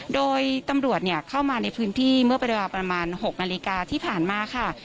โดยตำรวจเข้ามาในพื้นที่เมื่อเวลาประมาณ๖นาฬิกาที่ผ่านมาค่ะ